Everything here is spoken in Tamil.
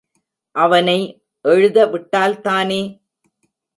அவனை எழுத விட்டால்தானே!